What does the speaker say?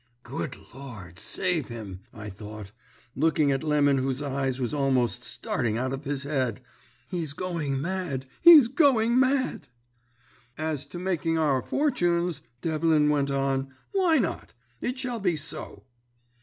"'Good Lord save him!' I thought, looking at Lemon whose eyes was almost starting out of his head. 'He's going mad, he's going mad!' "'As to making our fortunes,' Devlin went on, 'why not? It shall be so.'